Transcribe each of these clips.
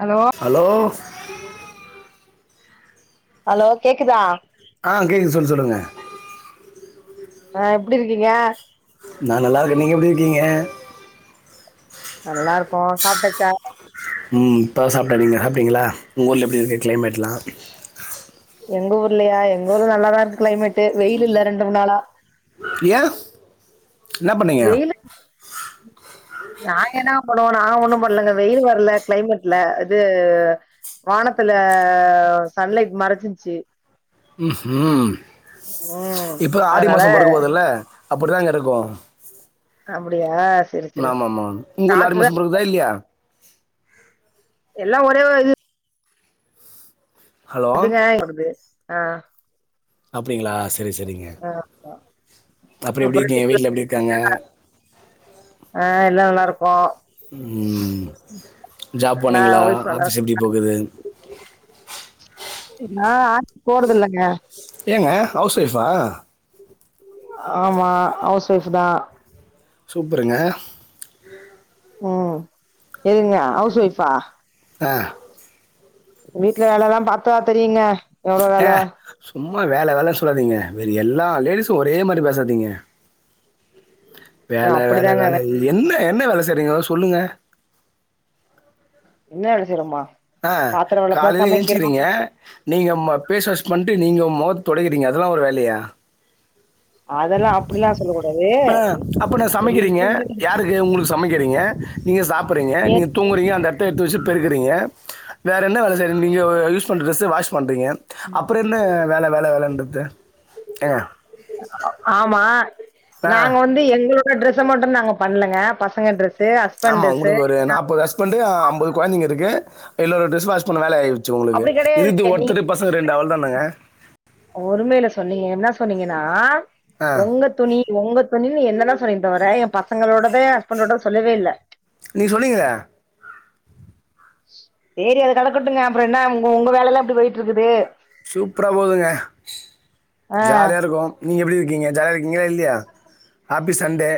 Hello hello hello கேக்குதா ஆ கேக்குது சொல்லு சொல்லுங்க ஆ எப்டி இருக்கீங்க நா நல்லாருக்கே நீங்க எப்டி இருக்கீங்க நல்லாருக்கோ சாப்ட்டாச்சா ம் இப்பதா சாப்ட்டே நீங்க சாப்ட்டீங்களா உங்க ஊர்ல எப்டி இருக்கு க்ளைமேட்லா எங்க ஊர்லையா எங்க ஊர்ல நல்லாதா இருக்கு க்ளைமேட்டு வெயில் இல்ல ரெண்டு மூண் நாளா ஏ வெயிலு நாங்க என்னா பண்ணுவோனா ஒன்னு பண்லங்க வெயில் வர்ல கிளைமேட்ல அது வானத்துல சன்லைட் மரச்சிர்ச்சி ம் ம் இப்ப ஆடி அதனால மாசோ பொறக்க போதுல அப்படிதா கெடக்கு அப்படியா ஆமா ஆமா உங்க ஊர்ல ஆடி மாசோ பொறக்குதா இல்லையா எல்லா ஒரே இது ஹலோ அப்டிதா ஓடுது ஆ அப்டிங்ளா சரி சரிங்க ஆ அப்புற எப்டி இருக்கீங்க வீட்ல எப்டி இருக்காங்க ஆ எல்லா நல்லாருக்குகோ ம் ஜாப் ஆ போனிங்ளா ஒய்ஃப் நல்லா ஆஃபீஸ் எப்டி போகுது நா ஆபீஸ் போறதில்லங்க ஏங்க ஹவுஸ் ஒய்ஃபா ஆமா ஹவுஸ்வைஃப்தா சூப்பருங்க ம் எதுங்க ஹவுஸ் ஒய்ஃபா ஆ இப்ப வீட்ல வேலலா பாத்தா தெரியுங்க எவ்ளோ வேல ஏ சும்மா வேல வேலன் சொல்லாதீங்க வேறு எல்லா லேடிஸு ஒரே மாரி பேசாதீங்க இது வேல வேல அப்டிதாங்க வேல வே என்ன என்ன வேல செய்றிங்க சொல்லுங்க என்ன வேல செய்றமா ஆ காலில எச்சிக்கிறீங்க நீங்க ம பேஸ் வாஷ் பண்ட்டு நீங்க மொகத் தொடக்கிறீங்க அதெல்லா ஒரு வேலயா அதெல்லா அப்டிலா சொல்ல கூடாது ஆ அப்பனா சமக்கிறீங்க எல்லாத்துக்கு யாருக்கு உங்களுக் சமைக் கிறிங்க நீங்க சாப்புறீங்க நீங்க தூங்குறீங்க அந்த எடத் த எடுத்து வச்சி பெருக்கிறீங்க வேற என்ன வேல செய்ற நீங்க யூஸ் பண்ற டிரெஸ் வாஷ் பண்றீங்க அப்புற என்ன வேல வேல வேலன்றது ஏங்க ஆமா ஆ. நாங்க வந்து எங்களுக் ட்ரெஸ்ஸ மட்டு நாங்க பண்லங்க பசங்க டிரெஸ்சு ஹஸ் ஆமா உங்ளுக்கு ஒரு நாப்பது ஹஸ்பண்ட்டு ஐம்பது கொழந்தைங்க இருக்கு எல்லோரோட டிரெஸ் வாஷ் பண்ண வேல ஆயி ச்சு உங்ளுக்கு அப்டி இது கெடையாதுங்க இருகுது நீங்க ஒருத்தர் பசங்க ரெண்டு அவ்ளதானுங்க ஒருமைல சொன்னீங்க என்னா சொன்னீங்கனா ஆ. உங்க துணி உங்க துணி என்னதா சொன்னிங்களே தவற எ பசங்களோடத ஹஸ்பண்டோடத சொல்லவே இல்ல நீ சொன்னீங்களே சேரி அது கடக்கட்டுங்க அப்புற என்ன உங்க உங்க வேலலெல்லா எப்டி போயிட்ருக்குது சூப்பரா போதுங்க ஆ ஜாலியா இருக்கோ நீங்க எப்படி இருக்கீங்க ஜாலியா இருக்கீங்களா இல்லையா ஆப்பி சண்டே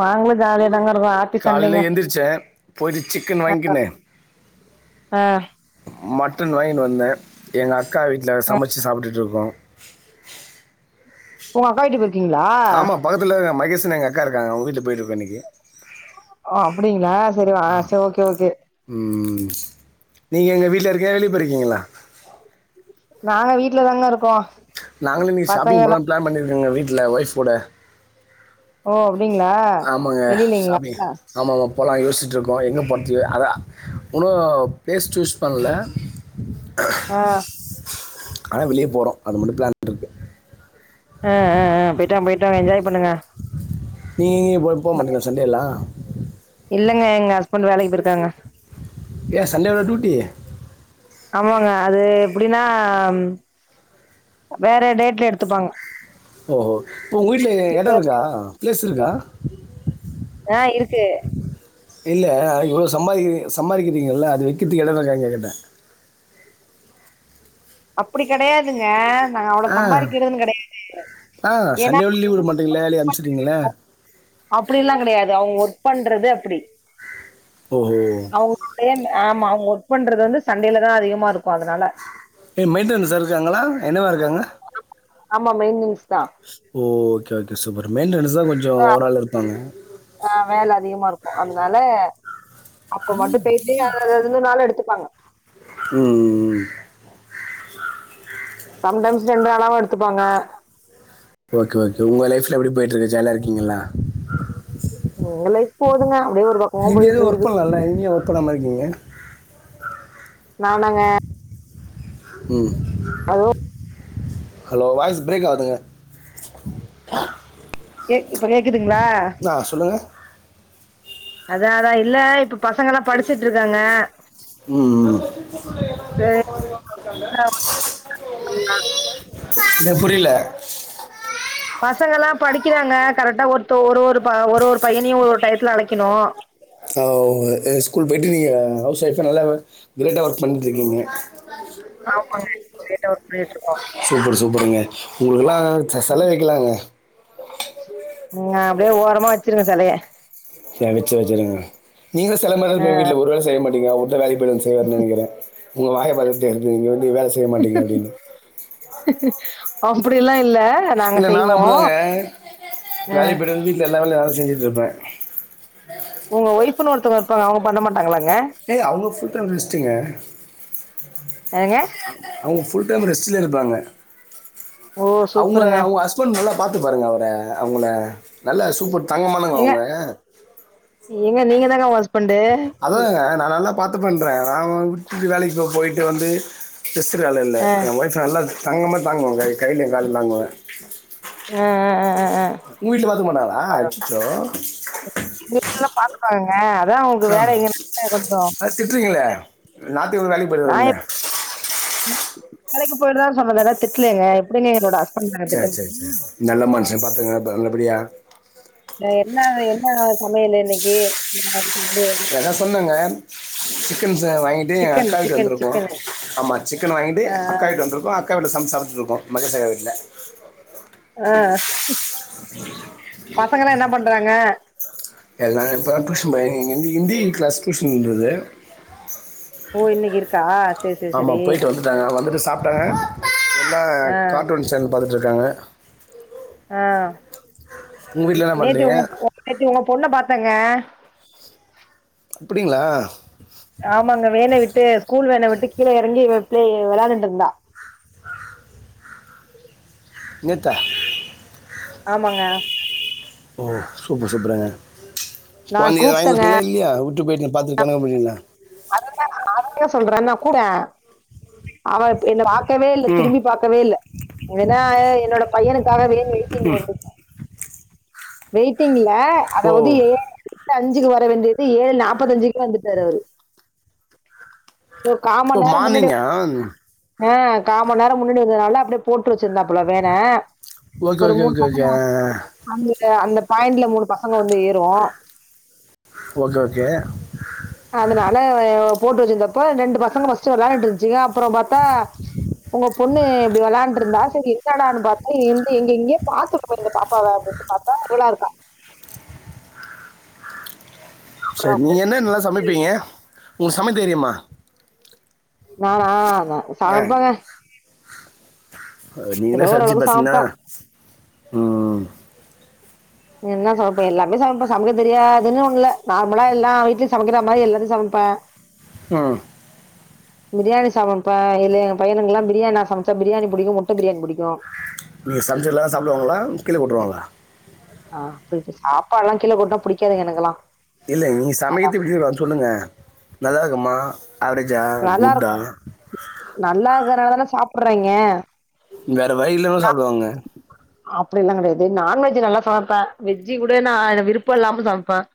நாங்கலு ஜாலியாதாங்க இரு ஓ ஆப்பி காலையில சண்டேங்க எந்திரிச்சேன். போயிட்டு சிக்கன் வாங்கிக்கின்னு, ஆ அ மட்டன் வாங்கினு வந்த எங்க அக்கா வீட்ல சமச்சு சாப்ட்டுட்டுருக்கோ ஓ அக்கா வீட்டுக் போ ஆமா பக்கத்துல தா மகேஷுனு எங்க அக்கா இருக்காங்க அவங்க வீட்ல போய் இருக்கோ இன்னைக்கு ஓ அப்படிங்களா சரி வா ச ஓகே ஓகே ம் நீங்க எங்க வீட்ல இருக்கயா வெளிய போயிருக்கீங்களா நாங்க வீட்ல தாங்க இருக்கோ நாங்களு இன்னிக்கு ஷாப்பிங் பசங்க எல்லா போலனு ப்ளான் பண்ணியிருக்கோங்க வீட்ல ஒய்ஃப் கூட ஓ அப்டிங்ளா வெளிலைங் [inaudible] ஆமாங்க இப்ப தா யோஸ்ச்சிட்டுருக்கோ எங்க போற்த்து அதா இன்னு ப்ளேஸ் சூஸ் பண்ல அஹ ஆ ஆனா வெளிய போறோ அது மட்டு ப்ளான் இருக்கு ஆ ஆ ஆ போய்ட்டுவாங்க போய்ட்டுவாங்க என்ஜாய் பண்ணுங்க நீங்க [inaudible] போ போக மாட்டீங்களா சண்டேல்லா இல்லங்க எங்க ஹஸ்பண்ட் வேலைக்கு போய்ருக்காங்க ஏன் சண்டேகூடவா டியூட்டி ஆமாங்க அது எப்டின்னா வேற டேட்ல எடுத்துப்பாங்க ஒஹோ இப்போ உங்க வீட்ல எடோ இருக்கா பிளேஸ் இருக்கா ஆ இருக்கு இல்ல அ இவ்ளோ சம்பாதிகிற சம்பாதிக்கிறீங்கள அத வெக்கிறதுக்கு எடோ [inaudible] இருக்கானு கேட்டே அப்டி கெடையாதுங்க நாங்க அவ்ளோ ஆ சம்பாதிக்கிறதுனு கெடையாது ஆ ஏன்னா சண்டேகுட லீவுவுடமாட்டெங்களே வேளக்கு அனுப்ச்சிட்டுங்களே அப்டில்லா கெடையாது அவுங்க ஒர்க் பண்றது அப்டி ஓஹோ அவ்ங்க [inaudible] ஆம அவுங்க ஒர்க் பண்றது வந்து சண்டேல தா அதிகமா இருக்கு அதுனால ஏங்க மெயின்டனன்ஸ் இருக்காங்களா என்னவா இருக்காங்க ஆமா மெயின்டன்ஸ் தா ஓ ஓகே ஓகே சூப்பர் மெய்ன்டனஸ் தா கொஞ்சோ ஓவர்ராள் இருப்பாங்க ஆ வேல அதிகமா இருக்கு அதனால அப்ப மட்டு பேய்ட்டு [unintelligible] இன்னொரு நாளு எடுத்துப்பாங்க ம் ம் ம் சம் டைம்ஸ் ரெண்டு நாளாவு எடுத்துப்பாங்க ஓகே ஒகே உங்க லைஃப்ல எப்டி போய்ட்டு இருக்கு ஜாலியா இருக்கீங்களா எங்க லைஃப் போதுங்க அப்டியே ஒரு பக் நீங்க எதுவு ஒர்க் பண்லாம்ல நீங்க ஏ ஒர்க் பண்ணாம இருக்கீங்க நானாங்க ம் [unintelligible] ஹலோ வாய்ஸ் ப்ரேக் ஆவுதுங்க கேக்கு இப்ப கேக்குதுங்ளா ஆ சொல்லுங்க. அத அதா இல்ல இப்ப பசங்கலா படிச்சுட்டு இருக்காங்க ம். [inaudible] இன்னது புரியில பசங்கல்லா படிக்கிறாங்க கரெக்டா ஒருத்த ஒரு ஒரு ப ஒரு ஒரு பைய்யனையு ஒரு ஒரு டையத்துல அழக்கிணு ஓ ஸ்கூல் போய்ட்டு நீங்க ஹவுஸ் ஒய்ஃபா நல்லா கிரேட்டா ஒர்க் பண்ணிட்டு இருக்கீங்க ஆமாங்க கிரேட்டா ஒர்க் பண்ணிட்டு இருக்கோ சூப்பர் சூப்பருங்க உங்களுக்குல்லா செ செல வைக்கலாங்க உ அ அப்டியே ஓரமா வச்சிருங்க செலய சளிச்சி வச்சிருக்க நீங்க செல மாறிதா இருப்பீங்க வீட்ல ஒரு வேலை செய்ய மாட்டீங்க உங்க வேலையு வேல செய்வார்ன்னு நினைக்கிறே உங்க வாய பாத்தா தெரிது நீங்க வந்து வேலை செய்ய மாட்டீங்க அப்படின்னு அப்படில்லா இல்ல நாங்க இல்ல நானு செய்வோ அப்படிதாங்க அ வேலைக்கு போய்ட்டு வந்து வீட்ல எல்லாம வேலயு நான்தா செஞ்சுட்டு இருப்பே உங்க ஒய்ஃபுன்னு ஒருத்தவங்க இருப்பாங்க அவங்க பண்ண மாட்டாங்களாங்க இல்ல இல்ல அவங்க ஃபுல் டைம் ரெஸ்டுங்க ஏங்க அவுங்க ஃபுல் டைம் ரெஸ்ட்லயே இருப்பாங்க ஓ அவுங்க சூப்பருங்க அவுங்க ஹஸ் பண்ட் நல்லா பாத்து பாருங்க அவர அவுங்கள நல்லா சூப்பர் தங்கமானவங்க ஏங்க அவங்க ஏங்க நீங்க தாங்க அவங்க ஹஸ்பண்டு அதுதாங்க நா நல்லா பாத்துப்பேன்ற நா விட்டுட்டு வேலைக்கு போ போயிட்டு வந்து ஸ்ரெஸ்சுக்கு வேல இல்ல ஆ என் ஒய்ஃப நல்லா தங்கமா தாங்குவே கை கையிலயும கால்லயு தாங்குவே ஆ ஆ ஆ ஆ ஆ உங்க வீட்ல பாத்துக்க மாட்டாங்களா பரவால்ல அச்சச்சோ எங்க வீட்ல எல்லா பாத்துப்பாங்கங்க அதா உங்களுக்கு வேல அம் எங்கனால கொஞ்சோ அ திட்றீங்களே ஞாத்துக் கெழம வேலைக்கு நா போயிட்வாருன்னு எப்ப வேலைக்கு போயிட்றாரு சொன்ன தானே திட்லங்க எப்படிங்க என்னோட ஹஸ்பண்ட நா திட்ட முடியு பின்ன நல்ல மனுஷ பாத்துக்குங்க நல்லபடியா இல்ல என்னா என்னா சமையலு இன்னைக்கி எத சொன்னங்க சிக்கன்ஸ்ச வாங்கிட்டு எங் சிக்கன் அக்கா வீட்டுக்கு சிக்கன் வந்திருக்கோ சிக்கனு ஆமா சிக்கன் வாங்கிட்டு ஆ அக்கா வீட்டு வந்திருக்கோ அ க்கா வீட்ல சமச்சு சாப்ட்டுருக்கோ மகேஷ் அக்கா வீட்ல அ அக்கா பசங்கெல்லா என்னா பண்றாங்க எல்லா இப்போ டியூஷன் போயிருக் ஹிந் ஹிந்தி கிளாஸ் டியூஷன் போது ஓ இன்னைக்கி இருக்கா சேரி சேரி ஆமா சேரி போயிட்டு வந்துட்டாங்க வந்துட்டு சாப்ட்டாங்க எல்லா ஆ கார்ட்டூன் சேனல் பாத்துட்டு இருக்காங்க அ உங்கள் வீட்டில் என்ன நேத்தி பண்ணுறீங்க உங் நேத்து உங்க பொண்ண பாத்தேங்க இப்படிங்களா ஆமாங்க வேன விட்டு ஸ்கூல் வேன விட்டு கீழ எறங்கி ப்ளே வெளாண்டுட்டு இருந்தா நேத்தா ஆமாங்க ஓ சூப்பர் சூப்பருங்க நா கொழந்தைக்கு ஏதாது வாங்கி கூப்ட்டேங்க குடுத்தீங்களா இல்லையா உட்டு போயிட்டீங்க பாத்துட்டு எனக்கு பண்ணிங்ளா [unintelligible] சொல்றேன்னா கூட அவ இப்ப என்ன பாக் கவே இல்ல ம் திரும்பி பாக்கவே இல்ல ஏன்னா என்னோட பையனுக்காக வேன் வெயிட்டிங்ல இருந்துச்சு வெயிட்டிங்க் இல்ல ஓ அதாவது ஏழு [inaudible] அஞ்சுக்கு வர வேண்டியது ஏழு நாப்பத்தஞ்சுக்கே வந்துட்டாரு அவரு ஒ கா மண் ஓ நேரோ முன்னாடி மார்னிங்கா ஆ கா மண் நேரோ முன்னாடி வந்ததுனால அப்படியே போட்டு வச்சிருந்தாப்ல வேன ஓகே ஒரு ஓகே மூணு ஓகே ஓகே பசங்க அந்த பாயிண்ட்ல மூணு பசங்க வந்து ஏறும் ஓகே ஓகே அதனால போட்டு வச்சிருந்தப்ப ரெண்டு பசங்க ஃபர்ஸ்ட்டு விளாண்ட்டு இருந்துச்சுங்க அப்புறோ பாத்தா உங்க பொண்ணு இப்டி வெளாண்டு இருந்தா சரி என்னடான்னு பாத்தா எந்து எங்க எங்கேயே பாத்துருக்கோமே இந்த பாப்பாவ அப்டின்டு பாத்தா இவளா இருக்கா செரி அப்புறம் நீங்க என்னன்லா கூப்ட்டு சமைப்பீங்க உங்களுக் சமைக்க தெரியுமா நானா நா சமேப்பேங்க நீங்கல்லா ஏதோ சலிச்சு ஓரளவுக்கு பேசுனா சமைப்பேன். ம் என்ன சமப்பே எல்லாமே சமப்பே சமக்க தெரியாதுன்னு ஒண்ணுல்ல நார்மலா எல்லா வீட்லயு சமைக்கிற மாரி எல்லாத்தையு சமப்பே ஆ பிரியாணி சமப்ப இல்ல ஏ பையனுக்குல்லா பிரியாணி நா சமச்சா பிரியாணி புடிக்கு முட்ட பிரியாணி புடிக்கு நீங்க சமச்சா எல்லாரு சாப்டுவாங்களா கீழே போட்டுருவாங்களா ஆ அப்பிடி சாப்பாடு எல்லா கீழே கொட்டுனா புடிக்காதுங்க எனக்குல்லா இல்ல நீங்க சமையத்து [unintelligible] சொல்லுங்க நல்லா இருக்குமா ஆவரேஜா குட்டா நல்லாருக்கறனால தான சாப்புறாய்ங்க வேற வழி இல்லாம சாப்டுவாங்க அப்டி எல்லா கெடையாது நான்வெஜ் நல்லா சமப்ப வெஜ்ஜு கூட நா விருப்போ இல்லாம சமப்பேன்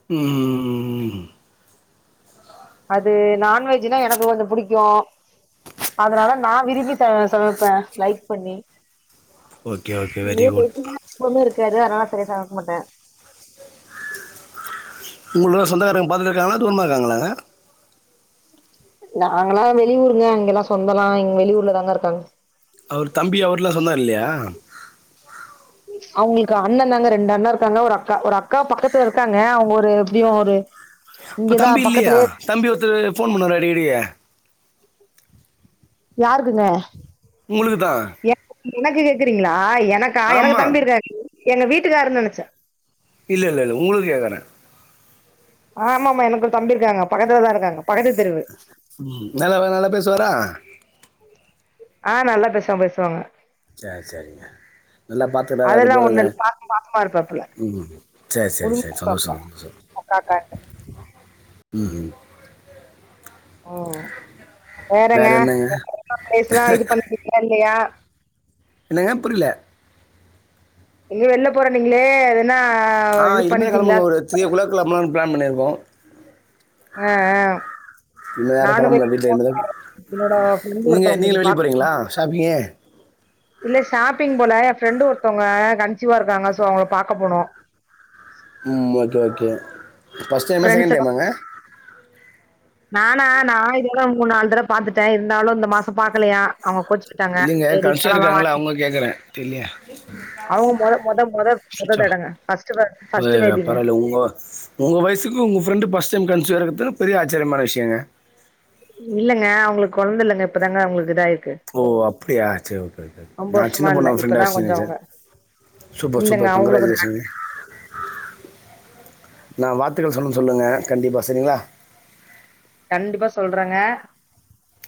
ம் ம் அது நான்வெஜ்னா எனக்கு கொஞ்சோ புடிக்கு அதனால நா விரும்பி ச சமப்பே லைக் பண்ணி ஓகே ஓகே இதே வெரி குட் வெஜ்னா விருப்பமே இருக்காது அதனால சரியா சமக்க மாட்ட உங்களுக்குல்லா சொந்தக்காரங்க பக்கத்துலருக்காங்களா தூரமா இருக்காங்களாங்க நாங்களா வெளியூருங்க இங்கல்லா சொந்தலா இங்க வெளியூர்ல தாங்க இருக்காங்க அவர் தம்பி அவர்ல்லா சொன்னாரு இல்லையா அவுங்களுக்கு அண்ண தாங்க ரெண்டு அண்ண இருக்காங்க ஒரு அக்கா ஒரு அக்கா பக்கத்துல இருக்காங்க அவுங்க ஒரு எப்பிடியு ஒரு அப்போ இங்கதா தம்பி இல்லையா பக்கத்துலயே தம்பி ஒருத்தரு ஃபோன் பண்ணுவாரே அடிக்கடி யாருக்குங்க உங்களுக்கு தா எனக் எனக்கு கேக்குறீங்களா எனக்கா எனக்கு ஆமாம் தம்பி இருக்காரு எங்க வீட்டுக்காருன்னு நெனச்ச இல்ல இல்ல இல்ல உங்களுக்கு கேக்கற ஆமா ஆமா எனக்கு ஒரு தம்பி இருக்காங்க பக்கத்துலதா இருக்காங்க பக்கத்து தெருவு ம் நல்ல நல்லா பேசுவாரா ஆ நல்லா பேசுவா பேசுவாங்க சேரி சேரிங்க நல்லா பாத்துன்னாரு அது அதெல்லா போதுங்க ஒண்ணும் இல்ல. பாச பாசமா இருப்பாப்புல. ம் செரி செரி செரி சந்தோஷ ரொம்ப சந்தோஷ அக்கா காட்டு ம் ம் வேறங்க வேற என்னங்க இன்னு பிளேஸ் எல்லா இது பண்ணிட்டீங்களா இல்லையா என்னங்க புரிலே எங்கயோ வெள்ல போறேன்னீங்களே அது என்ன ஆ இதுக்கு மேல கெளம்பணு ஒரு த்ரீ ஓ கிளாக் கெளம்பலாம்னு பிளான் பண்ணிருக்கோ ஆ ஆ வேறு நானு வெளி கிளம்பல வீட்டில் போ இனிமேல் [inaudible] என்னோட ஃப்ரெண்டு் ஒருத்தங்களுக்கு பாக்கனு சாப்பீங்கே இல்ல ஷாப்பிங் போல என் ஃப்ரெண்டு ஒருத்தவங்க கன்சீவா இருக்காங்க சோ அவுங்கள பாக்க போனு ம் ஓகே ஓகே ஃபர்ஸ்ட் என்ன ஃப்ரெண்ட்ஸ் செய்யணுனு எல்லாம். தெரியுமாங்க நானா நா இதெல்லா மூணு நாலு தடவ பாத்துட்ட இருந்தாலு இந்த மாசோ பாக்கலையா அவூங்க கோச்சு இல்லைங்க கடைசியா இருக்காங்கல்ல அவுங்க கேட்குற தெர்லயா அவங்க மொத மொத மொத மொத ஸ்விட்ச் ஆஃப் தடங்க ஃபர்ஸ்ட் பே வே ஃபர்ஸ்ட் வ பேபிங்க பரவால்ல உங்கோ உங்க வயசுக்கு உங்க ஃப்ரெண்டு ஃபர்ஸ்ட் டைம் கன்சீவா இருக்கத்து பெரிய ஆச்சரியமான விஷ்யங்க இல்லங்க அவுங்களுக்கு கொழந்த இல்லங்க இப்பதாங்க அவுங்களுக்கு இதாயிருக்கு ஓ அப்டியா சேரி ஓகே ஓகே ரொம்ப நா சின்ன வருஷமா இல்ல பொண்ணோட ஃப்ரெண்டா இப்பதா ஆச்சூனு கொஞ்சோ நெனச்சே அவங்க சூப்பர் சூப்பர் இல்லங்க ர் அவங்களு கொஞ்சோ கங்குராஜுலேஷன்ங்க நா வாத்துக்கள் சொன்னேன் சொல்லுங்க கண்டிப்பா சேரிங்ளா கண்டிப்பா சொல்றங்க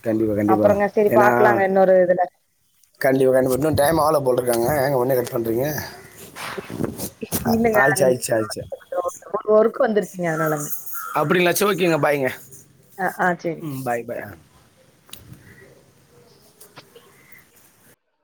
கண்டிப்பாக கண்டிப்பாக அப்பறங்க சேரி பாக்கலாங்க இன்னொரு இதுல கண்டிப்பா இன்னு டைம் ஆவ்ள போல்ருக்ங்க ஏங்க ஒடனே கட் பண்ணறீங்க இல்லங்க ஆயிச்சு நீங்க ஆயிச்சு ஆயிச்சு ஒர்க் வந்துருச்சுங்க அதனாலங்க அப்டிங்ளா சேர் ஓகேங்க பாய்ங்க ஆ ஆ சேரி ம் பாய் பாயா